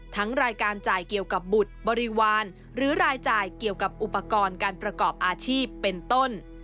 รายการจ่ายเกี่ยวกับบุตรบริวารหรือรายจ่ายเกี่ยวกับอุปกรณ์การประกอบอาชีพเป็นต้น